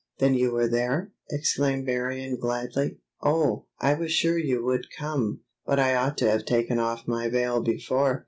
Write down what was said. "Then you were there!" exclaimed Marion gladly. "Oh! I was sure you would come—but I ought to have taken off my veil before.